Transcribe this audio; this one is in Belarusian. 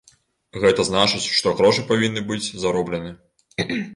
Гэта значыць, што грошы павінны быць зароблены.